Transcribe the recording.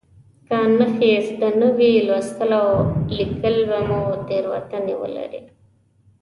که نښې زده نه وي لوستل او لیکل به مو تېروتنې ولري.